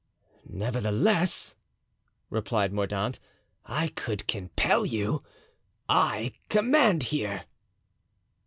"Nevertheless," replied Mordaunt, "I could compel you; I command here."